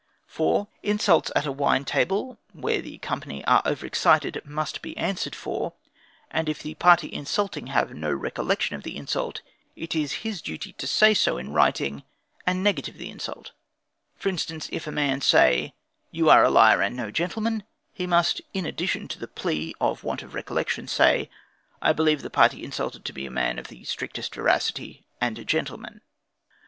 4. Insults at a wine table, when the company are over excited, must be answered for; and if the party insulting have no recollection of the insult, it is his duty to say so in writing, and negative the insult. For instance, if the man say: "you are a liar and no gentleman," he must, in addition to the plea of the want of recollection, say: "I believe the party insulted to be a man of the strictest veracity and a gentleman."